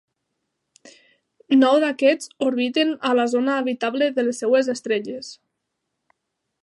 Nou d'aquests orbiten a la zona habitable de les seves estrelles.